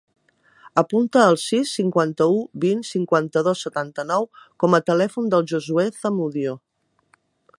Apunta el sis, cinquanta-u, vint, cinquanta-dos, setanta-nou com a telèfon del Josuè Zamudio.